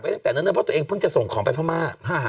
เพราะตัวเองก็เพิ่งจะส่งของไปเพ้อม่า